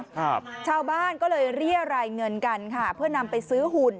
ครับชาวบ้านก็เลยเรียรายเงินกันค่ะเพื่อนำไปซื้อหุ่น